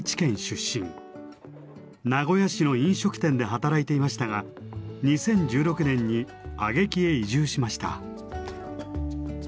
名古屋市の飲食店で働いていましたが２０１６年に阿下喜へ移住しました。